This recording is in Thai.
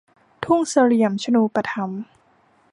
ทุ่งเสลี่ยมชนูปถัมภ์